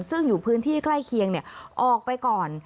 ซึ่งอยู่พื้นที่ใกล้เคียงออกไปก่อน